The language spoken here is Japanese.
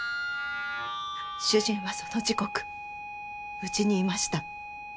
主人はその時刻うちにいました。